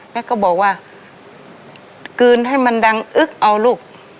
ก็บอกว่ากลืนให้มันดังอึ๊กเอาลูก